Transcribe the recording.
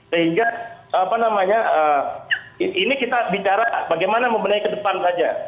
sehingga ini kita bicara bagaimana membenahi ke depan saja